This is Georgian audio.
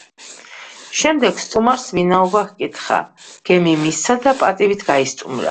შემდეგ სტუმარს ვინაობა ჰკითხა, გემი მისცა და პატივით გაისტუმრა.